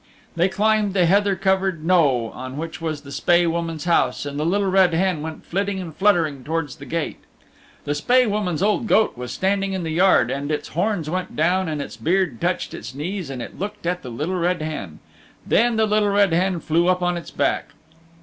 They climbed the heather covered knowe on which was the Spae Woman's house and the Little Red Hen went flitting and fluttering towards the gate. The Spae Woman's old goat was standing in the yard, and its horns went down and its beard touched its knees and it looked at the Little Red Hen. Then the Little Red Hen flew up on its back.